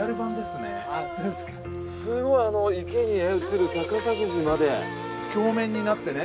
すごいあの池にね映る逆さ富士まで鏡面になってね